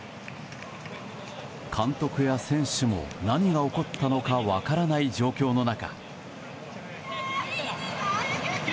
監督や選手も何が起こったのか分からない状況の中。